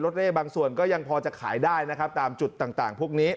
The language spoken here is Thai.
ต้องจากตรง